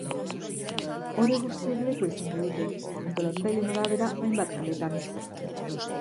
Horiek guztiek lekua izango dute, antolatzaileen arabera, hainbat kaletan.